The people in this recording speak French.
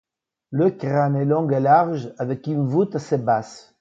Le crâne est long et large, avec une voute assez basse.